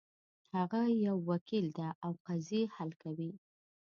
هغه یو وکیل ده او قضیې حل کوي